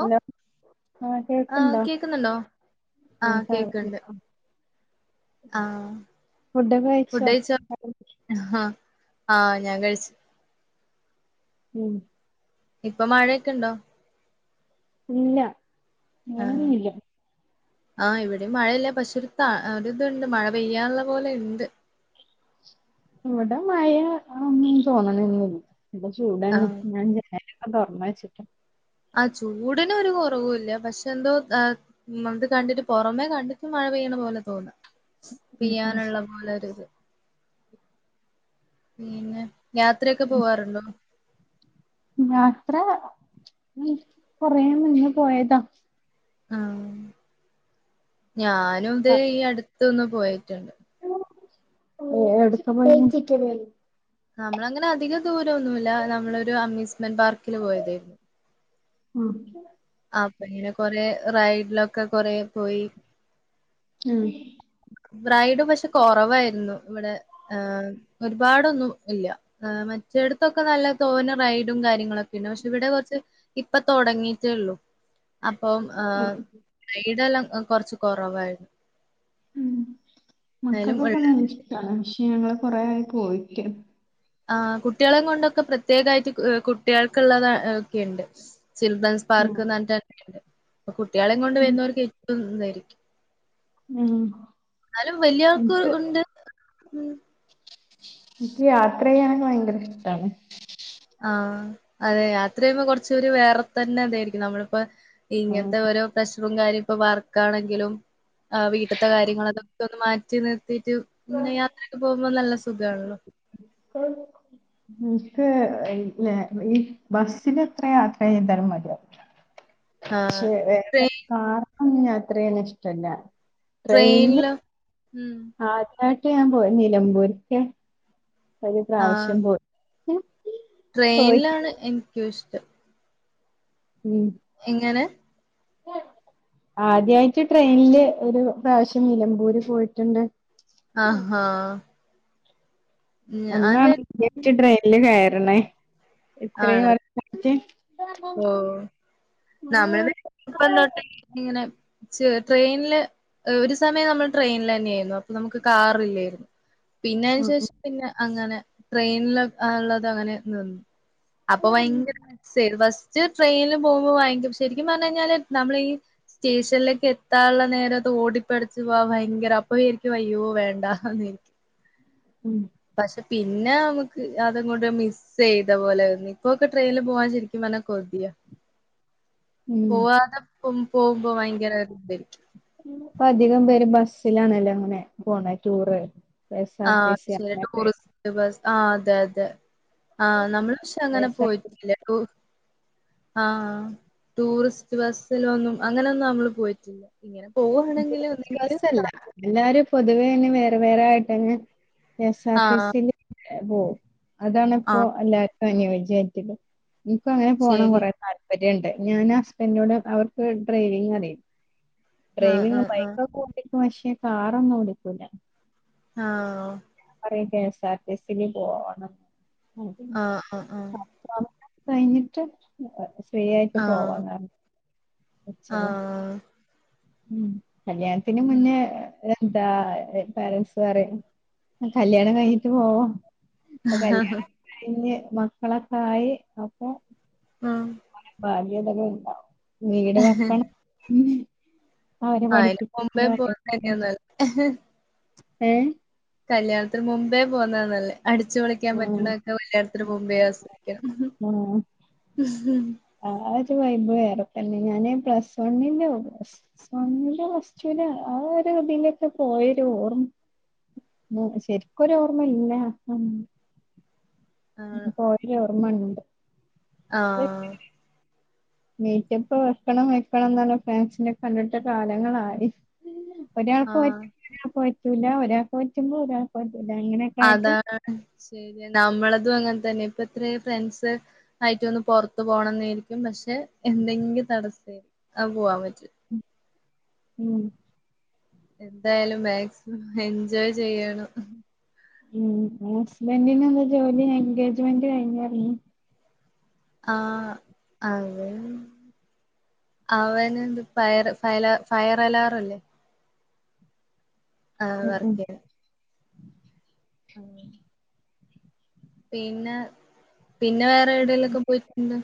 Hello ആ കേൾക്കുണ്ടോ? ആഹ് ഫുഡ്‌ കഴിച്ചോ ആ ഞാൻ കഴിച്ചു ഉം ഇപ്പൊ മഴയൊക്കെ ഇണ്ടോ ഇല്ല ആ [unintelligible] ആ ഇവിടെ മഴയില്ല പക്ഷേ ഒരുത്ത ഒരുതുണ്ട് മഴ പെയ്യാനുള്ള പോലെ ഉണ്ട് ഇവിടെ മഴഒന്നും തോന്നണ ഇവിടെ ആ ചൂടന്നെ ഞാൻ [unintelligible] തുറന്ന് വച്ചിട്ട് ആ ചൂടിന് ഒരു കുറവു ഇല്ല പക്ഷെ എന്തോ അത് കണ്ടിട്ട് പുറമേ കണ്ടിട്ട് മഴ പെയ്യണ പോലെ തോന്നാ ഉം പെയ്യാന്നുള്ള ഉം പോലൊരുഇത് പിന്നെ യാത്രയൊക്കെ പോവാറുണ്ടോ യാത്ര ഉം കൊറേ മുന്നേ പോയതാ ആ ഞാനും ദേ ഈ അടു ഇത്തോന്ന് പോയിട്ട്ണ്ട് എടുക്കഴ [unintelligible] നമ്മള അങ്ങനെ അധികം ദൂരഒന്നുല്ല നമ്മളൊരു അമ്യൂസ്മെന്റ് പാർക്കില് പോയതായിരുന്നു ഉം അപ്പോ എങ്ങനെ കോറെ റൈഡിലോക്കെ കോറെ പോയി ഉം റൈഡ് പക്ഷെ കുറവായിരുന്നു ഇവിടെ ഒരുപാടോന്നും ഇല്ല മറ്റടുത്തോക്കെ നല്ല തോനെ റൈഡും കാര്യങ്ങളോക്കെയണ്ട് പക്ഷെ ഇവിടെ കുറച്ച് ഇപ്പ തുടങ്ങിട്ടേള്ളൂ അപ്പം ആ ഉം റൈടെല്ലാം അ കൊറച്ച് കൊറവായിരുന്നു ഉം എന്നാലും മക്കൾക്കൊക്കെ ഉള്ള നല്ലഇഷ്ട്ടാണ് ഞങ്ങള് കോറെ ആയി പോയിട്ട് ആ കുട്ടിയെളം കോണ്ടൊക്ക പ്രത്യേകായിട്ട് കുട്ടികൾക്കുള്ളത ഒക്കെയുണ്ട് ചിൽഡ്രൻസ് ഉം പാർക്ക്ന്ന് പറഞ്ഞി [unintelligible] ആ കുട് കുട്ടിയേളീം കോണ്ട് വരുന്നോർക്ക് [unintelligible] ന്നായിരിക്കും ഉം എന്നാലും വലിയ ആൾക്ക് ഉണ്ട് മ്മ് ഇൻക്ക് യാത്ര യ്യാനോക്കെ ഭയങ്കര ഇഷ്ട്ടാണ് ആ അതെ യാത്ര ചെയുമ്പോ കൊറചോരു വേറെ തന്നെ ഇതായിരിക്കും നമ്മളിപ്പോ ഉം ഇങ്ങൻത്തെ ഓരോ പ്രശ് [unintelligible] കാര്യം ഇപ്പ വർക്കാണെങ്കിലും ആ വീട്ടത്തെ കാര്യങ്ങളോക്കെ അതൊക്കെ ഒന്ന് മാറ്റ [unintelligible] ഇങ്ങെനെ യാത്രൊക്കെ പോകുമ്പോൾ നല്ല സുഖം എനിക്ക് ഈ ബസ്സിൻ എത്ര യാത്ര ചെയ്താലും മതിയാവൂല ആഹ് ട്രെയിൻ [unintelligible] ഉ അത്രേന ഇഷ്ട്ടല്ല ട്രെയിൻലോ ഉം ബോട്ട് കാണാൻ പോയോ നിലമ്പൂർക്കെ ഒരു ആഹ് പ്രാവശ്യം പോയി ഉം പോയിട്ട് ട്രെയിനിലാണ് എ നിക്കിഷ്ടം ഉം എങ്ങനെ? ആദ്യമായിട്ട് ട്രെയിനില് ഒരു പ്രാവശ്യം നിലമ്പൂര് പോയിട്ടുണ്ട് ആഹ് അന്നാണ് [inaudible] ഡ്രെയിനില് കയ [unintelligible] ണേ ആണല്ലോ [unintelligible] ഇങ്ങനെ ട്രെയിനില് ഒരു സമയം നമ്മള് ട്രെയിനൽ തന്നെ ആയിരുന്നു അപ്പൊ നമക്ക് കാറില്ലായിരുന്നു പിന്നെ ഉം ഉം അതിനുശേഷം പിന്നെ അങ്ങനെ ട്രെയിനിൽ ആ ഉള്ളത് അങ്ങനെ നിന്നു അപ്പൊ ഭയങ്കര [inaudible] റ്റ് ട്രെയിനിൽ പോകുമ്പോ വാങ്കിക്കും പ ശെരിക്കും പറഞ്ഞ കഴിഞ്ഞാല് നമ്മളീ ഈ സ്റ്റേഷനിലേക്ക് എത്താനുള്ള നേരം ഓടിപ്പെടച്ചു പോവാ ഭയങ്കര അപ്പൊ വിചാരിക്കു അയ്യോ വേണ്ടാന്ന് വിചാരിക്കും ഉം പക്ഷെ പിന്നെ നമുക്ക് അതങ്ങോട്ട് മിസ്സ് ചെയ്ത പോലെന്ന് ഇപ്പൊക്കെ ട്രെയിനിൽ പോവാൻ ശരിക്കും പറഞ്ഞ കൊതിയ ഉം ഉം. പോവാതെപ്പെ പോകുമ്പോ ഭയങ്കര ഇതായിരിക്കും ബസിലണല്ലോ അങ്ങനെ പോണേ ടൂറ് കെ എസ് ആ ആർ ടി സി ശരി അങ്ങനൊക്കെ ടൂറിസ്റ്റ് ബസ് ആ അതെ അതെ ആ നമ്മള് പക്ഷെ കെ അങ്ങനെ എസ് ആർ ടി പോയിട്ടല്ലേ ടൂ ആ ടൂറിസ്റ്റ് ബസിലൊന്നും അങ്ങനെയൊന്നും നമ്മള് പോയിട്ടില്ല ഇങ്ങനെ പോവുവാണെങ്കില് ഒന്നെങ്കില് [unintelligible] സല്ല എല്ലാരും പൊതുവേ അ വേറെ വേറെ ആയിട്ടങ്ങ് കെ എസ് ആർ ടി ആഹ് സി ല് ഏഹ് പൂം അതാണിപ്പോ ആഹ് അല്ലേ? അനുയോജ്യ [unintelligible] ഞ്ഞിപ്പങ്ങനെ പോണം ശരി കൊറേ താല്പര്യ ഞാൻ ഹസ്ബൻഡോട് അവർക്ക് ഡ്രൈവിംഗ് അറിയും ആഹ് ഡ്രൈവിംഗ് ആഹ് ബൈക്കൊക്കെ പക്ഷേ കാറൊന്നും ഓടിക്കൂല ആ കെഎസ്ആർടിസിയിൽ പോണം അത് ആ ആ ആ പത്താം കഴിഞ്ഞിട്ട് ഫ്രീ ആയിട്ട് പോവാങ്ങ് ആ ഉം കല്യാണത്തിന് മുന്നേ എന്താ പേരന്റ്സ് പറയും കല്യാണം കഴിഞ്ഞിട്ട് പോവാ അപ്പൊ കല്യാണം കഴിഞ്ഞ് മക്കളൊക്കെ ആയി അപ്പൊ ആ [unintelligible] ഉണ്ടാവും വീട് വെക്കണം ഉം ആ ഇ മുമ്പേ പോകുന്നക്കെയന്നല്ല ഏ കല്യാണത്തിന് മുമ്പേ പോന്നതന്നല്ലേ അടിച്ചു പൊളിക്കാൻ ആഹ് പറ്റണൊക്കെ കല്യാണത്തിന് മുമ്പേ ആസ്വതിക്കാം ആഹ് ആഹ് ഒരു വൈബ് വേറെ തന്നെ ഞാന് പ്ലസ് വണ്ണിനോ [unintelligible] ആ ഒരു ഇതിലൊക്കെ പോയൊരു ഓർമ്മ ശരിക്കൊരു ഓർമ്മയില്ല ഉം [unintelligible] ഓർമ്മ ഉണ്ട് ആ അത് മീറ്റപ്പ് വെക്കണം വെക്കണം എന്നുള്ള ഫ്രണ്ട്സിനെ കണ്ടിട്ട് കാലങ്ങളായി ആഹ് ഒരാൾക്ക് [unintelligible] [unintelligible] ഒരാൾക്ക് പറ്റുമ്പോ ഒരാൾക്ക് പ അതാണ് ശരിയ നമ്മളതും അങ്ങനെ തന്നെ ഇപ്പ ഇത്രയും ഫ്രണ്ട്സ് ആയിട്ടൊന്ന് പുറത്തു പോണോന്നായിരിക്കും പക്ഷെ എന്തെങ്കിലും തടസമായി അ പോ വാ വറ്റ ഉം എന്തായാലും മാക്സിമം എൻജോയ് ചെയ്യണം ഉ ഹസ്ബൻറിിന എന്താ ജോലി എൻഗേജ്മെന്റ് കഴിഞ്ഞഞ്ഞ ആ അവൻ അവന്ന്ത് ഫയർ ഫയ ഫയർ അലാറല്ലേ ആഹ ഉം ഉം വർക്ക ഉം [unintelligible] പിന്നെ പിന്നെ വേറെ എവിടിലൊക്കെ പോയിട്ടുണ്ട്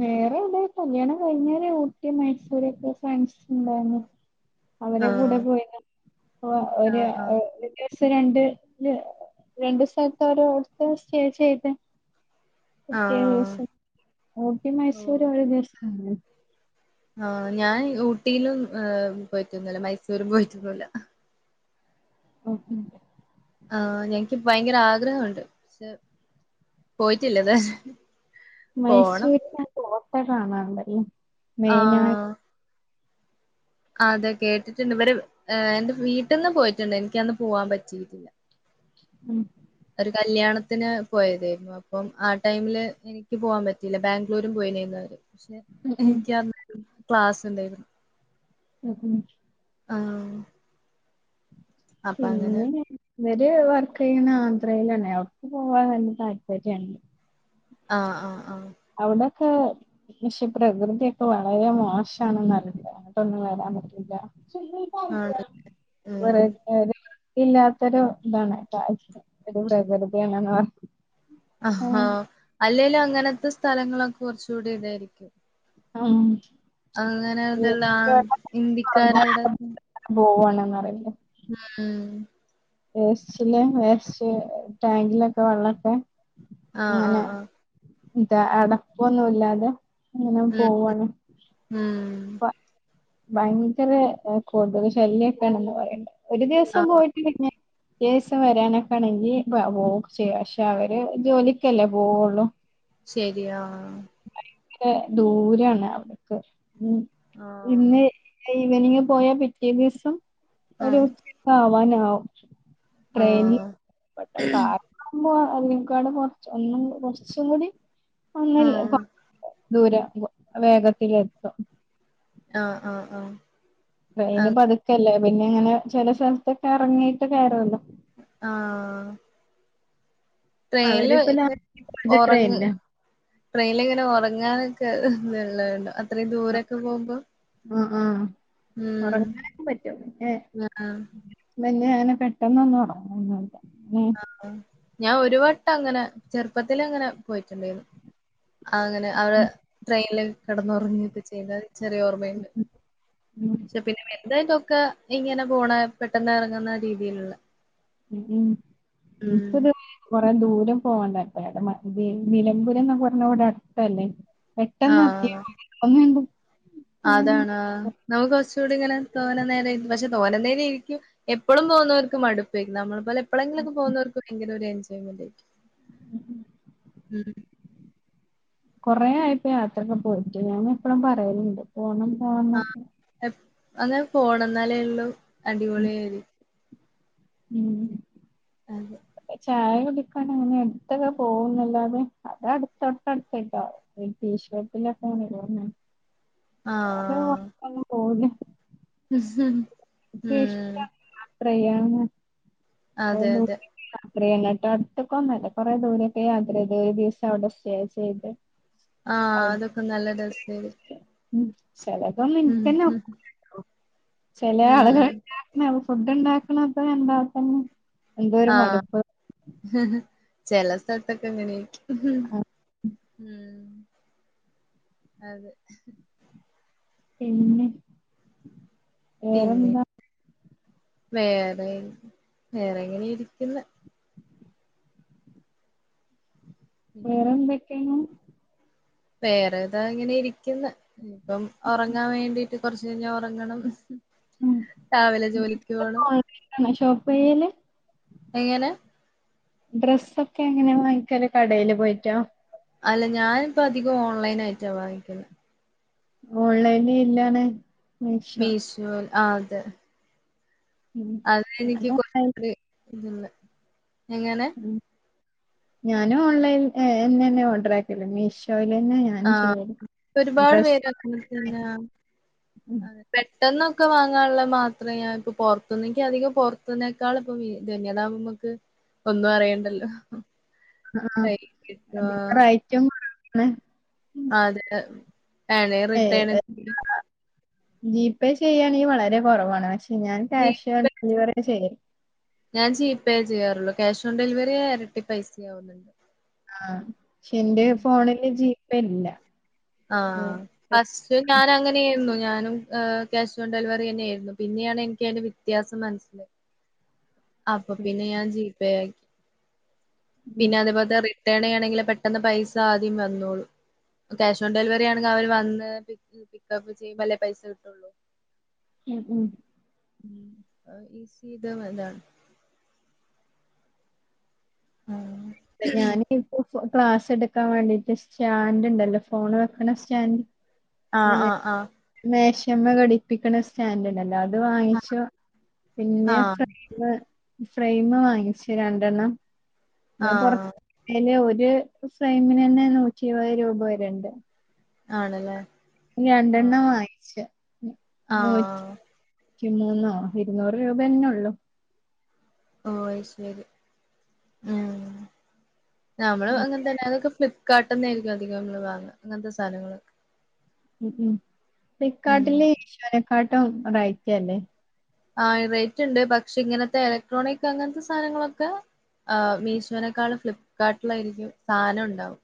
വേറെ ടെ കല്യാണം കഴിഞ്ഞരെ ഊട്ടി മൈസൂര് ഒക്കെ ഫാങ്സ് ഉണ്ടായിരുന്നു അവരെ കൂടെ ആഹ് പോയിന്ന് ഓ ഒരു ആഹ് ആഹ് [unintelligible] രണ്ട് രണ്ട് സ്ഥലത്ത് ഓരോത്ത് സ്റ്റേ ചെയ്ത് ആഹ് ക്കെസ ഊട്ടി മൈസൂർ ഒരുദിവസം [unintelligible] ആ ഞാൻ ഊട്ടിയിലും പോയിട്ടൊന്നൂല്ല മൈസൂരും പോയിട്ടൊന്നൂല്ല ഓ ഉം ആ എനിക്ക് ഭയങ്കര ആഗ്രഹം ഉണ്ട് പക്ഷെ പോയിട്ടില്ല ഇതെ വരെ പോണം മൈസൂര് ഞാൻ പോ [unintelligible] കാണണ്ടല്ലോ ആ അതെ കേട്ടിട്ടുണ്ട് ഇവര് എന്റെ വീട്ടിൽന്ന് പോയിട്ടുണ്ട് എനിക്കന്ന് പോവാൻ പറ്റിട്ടില്ല ഉം ഒരു കല്യാണത്തിന് പോയതായിരുന്നു അപ്പം ആ ടൈമില് എനിക്ക് പോവാൻ പറ്റിയില്ല ബാംഗ്ലൂരും പോയിണ്ടേരുന്നു അവര് പക്ഷെ ഉം. ഉം. എനിക്കാന്നിട്ടും ക്ലാസ് ഉണ്ടായിരു [unintelligible] ആ അപ്പൊ അങ്ങനെ പിന്നെ ഇവര് വർക്ക് ചെയ്യണ ആന്ധ്രയിലാണെ അവർക്ക് പോവാൻ താല്പര്യണ ആ ആ ആ അവിടൊക്കെ പക്ഷേ പ്രകൃതിയൊക്കെ വളരെ മോശണന്നറിയില്ല അങ്ങിട്ടൊന്നും വരാൻ പറ്റൂല്ല ആണ് ഉം [inaudible] ഇല്ലാത്തൊരു ഇതാണ് കാ [unintelligible] അഹ അല്ലേലും അങ്ങനത്തെ സ്‌ഥ തലങ്ങളൊക്കെ കുറച്ചുടി ഇതായിരിക്കും ആമ് അങ്ങനെ അതെല്ലാം ഹിന്ദിക്കാരവിടെ [unintelligible] ഉം വേസ്റ്റില് വേസ്റ്റ് ടാങ്കിലൊക്കെ വെള്ളൊക്കെ ആ ആ അങ്ങനെ ആ ഇതാ അടപ്പൊന്നുല്ലാതെ അങ്ങനെ ഉം പോവാണ്. ഉം പ ഭയങ്കര കൊതുകു ശല്യക്കെയാണെന്ന് പറയണ്ടായി. ഒരു ദിവസം ആഹ് പോയിട്ട് പിന്നെ റ്റേസം വരാനൊക്കെ ആണെങ്കി ഇപ്പ [unintelligible] പക്ഷെ അവര് ജോലിക്കല്ലേ പോവുള്ളു ശരിയാ ഭയങ്കരാ ദൂരാണ് അവിടക്ക് ഉം ഇന്ന് ആഹ് ഈ ഈവനിങ്ങ് പോയാ പിറ്റേ ദിവസം ഒരു ആഹ് [unintelligible] ഒ ആഹ് ട്രെയിനിപെട്ട [unintelligible] ആയിനേക്കാളും കുറച്ചും ഒന്നും കൊറച്ചും കൂടി അങ്ങല്ല ആഹ് ദൂര വോ വേഗത്തിലെത്തും ആ ആ ആഹ് ട്രെയിന് ആഹ് പതുക്കല്ലേ പിന്നെ അങ്ങനെ ചില സ്ഥലത്തൊക്കെ ഇറങ്ങിട്ട് കയറാല്ലോ ആഹ് ട്രെയിനിൽ അവരിപ്പ ലാസ്റ്റ് പോയത് ഉറങ്ങ് ട്രെയിനിലാ ട്രെയിനിലിങ്ങനെ ഉറങ്ങാനൊക്കെ [unintelligible] ഇത്രയും ദൂരൊക്കെ പോമ്പോ ആ ആഹ് ഉറങ്ങാനൊക്കെ പറ്റോ ഏഹ് ആഹ് മന്നെ അങ്ങനെ പെട്ടെന്നൊന്നും ഉറങ്ങുന്നുല്ല. ആഹ് ഞാൻ ഒരു വട്ടം അങ്ങനെ ചെറുപ്പത്തിലങ്ങനെ പോയിട്ടിണ്ടായിരുന്നു. അങ്ങനെ അവ്ടെ ട്രെയിനില് കിടന്നുറങ്ങിക്കേ ചെയ്താൽ ചെറിയ ഓർമ്മയിണ്ട്. പക്ഷെ പിന്നെ എന്തായി തൊ ക്കെ ഇങ്ങനെ പോണ പെട്ടെന്ന് ഇറങ്ങുന്ന രീതിയില്ള്ള ഉം [unintelligible] അ ദൂരം പോവണ്ടപ്പടെ നി നിലമ്പൂരം എന്ന പറഞ്ഞവിടെ അട്ത്തല്ലേ പെട്ടെന്ന് എത്തിയ [unintelligible] അതാണ അ നമക്ക് ചൂട് ഇങ്ങനെ തോന നേര ഇർപക്ഷെ തോനെ നേരം ഇരിക്കും എപ്പോഴും പോകുന്നവർക്ക് മടുപ്പായ്ർക്കും നമ്മൾ എപ്പളെലെങ്കിലുംഒക്കെ പോന്നൊർക്ക് ഭയങ്കര ഒരു എൻജോ [unintelligible] ഉം കൊറ ആയപ്പോ യാത്രൊക്കെ പോയിട്ട് ഞാൻ എപ്പോഴും പറയല്ണ്ട് പോണം പോണം ആ എന്നൊക്കെ ഉം അന്നാ പോണം എന്നാലേ ഉള്ളു അടിപൊളിയയാ ത് ഉം അതേ ചായ കുടിക്കാൻ അങ്ങനെ അടുത്തൊക്കെ പോവുന്നല്ലാതെ അത്‌ അടു തൊട്ടടുത്ത ടീ ഷോപ്പിൽ ആണ് അത് ആഹ് വർക്ക്‌ ഒന്നും പോവൂല്ല മ്മ് മ്മ് ഫ്രേയാണ്. അതെ അതെ ത്രി എന്ന്ട്ട് അട്ത്ത്ക്കെന്നല്ല കൊറെ ദൂരൊക്കെ യാത്രയ്ത് ഒരു ദിവ്സം അവിടെ സ്റ്റേ ചെയ്ത് ആ അവിടുത്തെ അതൊക്കെ നല്ല രസയരു ഉം ചെലതോന്നു ഇൻക്കന്നെ ഒ ലല്ലോ ചെല ഉം ആള്കൾ ഫുഡ്‌ ണ്ടാ [unintelligible] എന്താക്കണ് ആ ചില സ്ഥലത്തൊക്കെ ഇങ്ങനെയൊക്ക ആ, ഉം അതെ എന്നെ പിന്നെ വേറെ വേറെ ഇങ്ങനെ ഇരിക്കുന്ന് വേറെ എന്തൊക്കെയാണ് വേറെ ഏതാ ഇങ്ങനെ ഇരിക്കുന്നു ഇപ്പം ഒറങ്ങാൻ വേണ്ടീട്ട് കൊറച്ച് കഴിഞ്ഞ ഒറങ്ങണം ഉം രാവിലെ ജോലിക്ക് പോണം സ്റ്റോപ്പയല്ലേ എങ്ങനെ ഡ്രസ്സൊക്കെ എങ്ങനെയ വാങ്ങിക്കല് കടയില് പോയിട്ട അല്ല ഞാനിപ്പം അധികം ഓൺലൈൻ ആയിറ്റ വാങ്ങിക്കുന്നത് ഓൺലൈനിയിലാണ് മീശോയിൽ ആ അതെ ഉം അതെ എനിക്ക് ഞാനും ഓൺലൈൻ കുറച്ചു കൂടി [unintelligible] എങ്ങനെ ഉം ഞാനും ഓൺലൈയിൽ എന്നെന്നെ ഓർഡർ ആക്കുന്നെ മീശോ ആ ഒരുപാട് ഡ്രസ്സ് പേര് [unintelligible] പെട്ടെന്നൊക്കെ വാങ്ങാനുള്ള മാത്രമേ ഞാൻ ഇപ്പൊ പൊറത്തുന്ന് എനിക്ക് അധികം പൊറത്തന്നേക്കാൾ ഇപ്പൊ വി ഇതെന്നയ അതാവുമ്പം നമ്മക്ക് ഒന്നും അറിയണ്ടല്ലോ ആ കൈ കിട്ടും പിന്നെ റേറ്റും കൊറവാ ആ അതെ ആണ് റിട്ടേണ് ജി പേ ചെയ്യാണെങ്കിൽ വളരെ കുറവാണ് പക്ഷെ ഞാൻ ജി ക്യാഷ് ഓൺ പേ ഡെലിവറിയാ ചെയ്യല് ഞാൻ ജീ പേ ചെയ്യാറുള്ളൂ ക്യാഷ് ഓൺ ഡെലിവറി ഇരട്ടി പൈസയാവുന്നുണ്ട് ആഹ് പക്ഷെ എന്റെ ഉം ഫോണില് ജീ പ്പെല്ല ആഹ് ഫസ്റ്റ് ഞാൻ അങ്ങനെയായിരുന്നു ഞാനും അഹ് ക്യാഷ് ഓൺ ഡെലിവറി തന്നെയായിരുന്നു പിന്നെയാണ് എനിക്ക് അതിന്റെ വ്യത്യാസം മനസിലായത് അപ്പൊ പിന്നെ ഞാൻ ജീ പേയാക്കി ഉം പിന്നെ അതേപോലത്തെ റി റിട്ടേൻ ചെയ്യേണങ്കില് പെട്ടന്ന് പൈസ ആദ്യം വന്നോളും ക്യാഷ് ഓൺ ഡെലിവറി ആണെങ്കിൽ അവർ വന്ന് പിക്കപ്പ് ചെയ്യുമ്പോൾ അല്ലേ പൈസ കിട്ടുള്ളൂ ഏ ഉം [unintelligible] ആ ഇപ്പ ഞാന് ഇപ്പൊ ക്ലാസ് എടുക്കാൻ വേണ്ടിയിട്ട് സ്റ്റാൻഡ് ഉണ്ടല്ലോ ഫോൺ വെക്കണ സ്റ്റാൻഡ് ആഹ് അങ്ങനെ ആഹ് ആഹ് [unintelligible] ഘടിപ്പിക്കണ സ്റ്റാൻ്റിണ്ടല്ലോ അത് അത് വാങ്ങിച്ചു ആ പിന്നെ ഫ്രൈമ് ഫ്രെയിമ് വാങ്ങിച്ച് രണ്ടെണ്ണം ആ നെ പുറത്തേന് ഒരു ഒരു ഫ്രെയിമിന് തന്നെ നൂറ്റി ഇരുപത് രൂപ വരേണ്ട് ആണല്ലേ ആ രണ്ടെണ്ണം വങ്ങിച്ച് ആ നൂറ്റി റ്റി മൂന്നോ ഇരുന്നൂറ് രൂപ അങ്ങനെ ഉള്ളു ഓ ശരി ഉം നമ്മള് ഉം അങ്ങനെ തന്നെ അതൊക്കെ ഫ്ലിപ്പ് കാട്ടിന്നായിയിരിക്കും അധികം നമ്മള് വാങ്ങ അങ്ങനത്തെ സാധനങ്ങളൊക്കെ ഉം ഉം ഫ്ലിപ്പ്കാട്ടില് [unintelligible] ക്കാട്ടോ ഒരാഴ്ചയല്ലേ ആ റേറ്റ് ഉണ്ട് പക്ഷെ ഇങ്ങനത്തെ ഇലക്ട്രോണിക് അങ്ങനത്തെ സാധനങ്ങളൊക്കെ ആഹ് മീഷോനേക്കാളും ഫ്ലിപ്പ്കാട്ടിലായിരിക്കും സാധനം ഒണ്ടാവും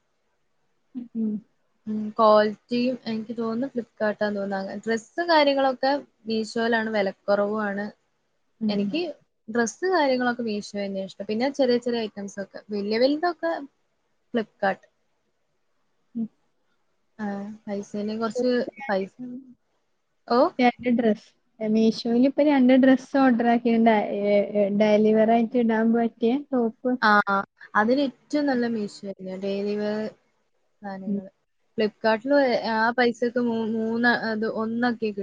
ഹ് ഉം ഉം കോളിറ്റിയും എനിക്ക് തോന്നുന്നു ഫ്ലിപ്പ് കാട്ടാന്ന് തോന്നുന്നു അങ്ങനെ ഡ്രസ്സ് കാര്യങ്ങളൊക്കെ മീശോയിലാണ് വെലക്കൊറവുവാണ് ഉം എനിക്ക് ഡ്രസ്സ് [unintelligible] കാര്യങ്ങളൊക്കെ മീശോ ന്നെ ഇഷ്ടം പിന്നെ ചെറിയ ചെറിയ ഐറ്റംസ് ഒക്കെ വലിയ വലിയതൊക്കെ ഫ്ലിപ്പ്കാട്ട് ഉം ആഹ് പൈസേനെ കൊറച്ച് പൈസ [unintelligible] ഓഹ് [unintelligible] ഡ്രസ്സ് മീശോയിൽ ഇപ്പൊ രണ്ട് ഡ്രസ്സ് ഓഡറാക്കിണ്ട് ഏഹ് ഡെലിവർ ആയിട്ട് ഇടാൻ പറ്റിയെ ആഹ് അതിന് ഏറ്റോം നല്ല മീശോയാ പിന്നെ ഡെയിലിവെ കാര്യങ്ങള് ഫ്ലിപ്പ് കാട്ടില് ആ പൈസ മു മൂന്ന് അത് ഒന്നൊക്കെ കി